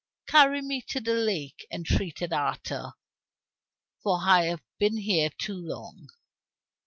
"Carry me to the lake," entreated Arthur, "for I have been here too long."